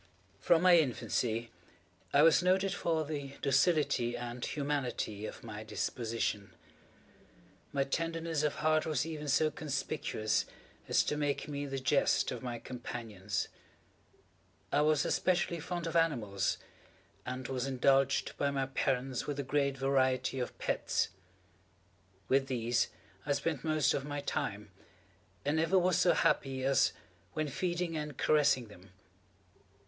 From my infancy I was noted for the docility and humanity of my disposition. My tenderness of heart was even so conspicuous as to make me the jest of my companions. I was especially fond of animals, and was indulged by my parents with a great variety of pets. With these I spent most of my time, and never was so happy as when feeding and caressing them.